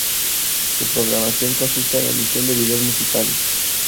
Su programación consiste en la emisión de videos musicales.